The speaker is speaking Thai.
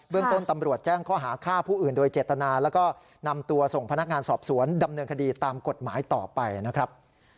เรื่องต้นตำรวจแจ้งข้อหาฆ่าผู้อื่นโดยเจตนาแล้วก็นำตัวส่งพนักงานสอบสวนดำเนินคดีตามกฎหมายต่อไปนะครับ